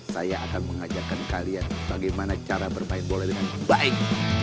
saya akan mengajakkan kalian bagaimana cara bermain bola dengan baik